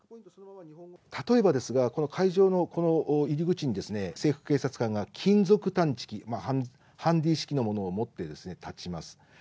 例えばですが、会場の入り口に制服警察官が金属探知機ハンディー式のものを持って立ちます。